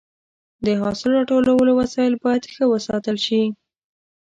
د حاصل راټولولو وسایل باید ښه وساتل شي.